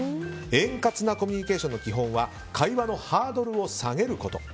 円滑なコミュニケーションの基本は会話のハードルを下げること。